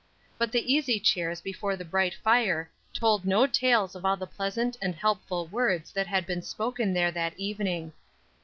But the easy chairs before the bright fire told no tales of all the pleasant and helpful words that had been spoken there that evening.